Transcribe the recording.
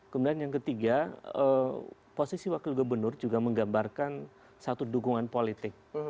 kemudian yang ketiga posisi wakil gubernur juga menggambarkan satu dukungan politik